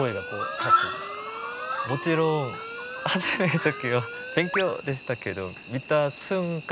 もちろんはじめの時は勉強でしたけど見た瞬間